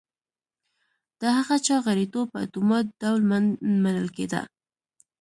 د هغه چا غړیتوب په اتومات ډول منل کېده.